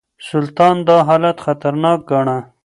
سلطان دا حالت خطرناک ګاڼه.